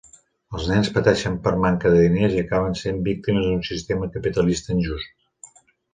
Els nens pateixen per manca de diners i acaben sent víctimes d'un sistema capitalista injust.